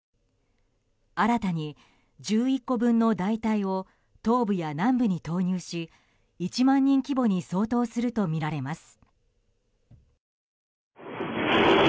新たに１１個分の大隊を東部や南部に投入し１万人規模に相当するとみられます。